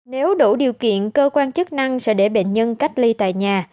nếu đủ điều kiện cơ quan chức năng sẽ để bệnh nhân cách ly tại nhà